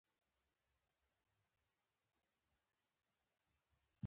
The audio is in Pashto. غوښه یې په اسانه نه پیدا کېږي.